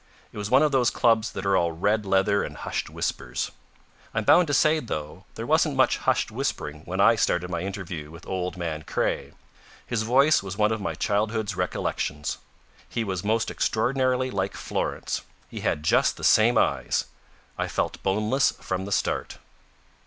It was one of those clubs that are all red leather and hushed whispers. I'm bound to say, though, there wasn't much hushed whispering when I started my interview with old man Craye. His voice was one of my childhood's recollections. He was most extraordinarily like Florence. He had just the same eyes. I felt boneless from the start.